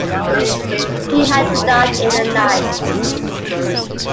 He had died in the night.